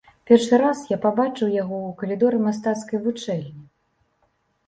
Першы раз я пабачыў яго ў калідоры мастацкай вучэльні.